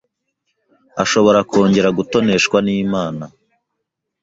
ashobora kongera gutoneshwa n’Imana.